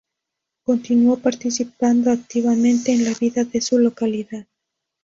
Continuó participando activamente en la vida de su localidad.